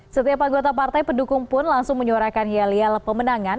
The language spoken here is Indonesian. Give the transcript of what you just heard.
setiap anggota partai pendukung pun langsung menyuarakan hialial pemenangan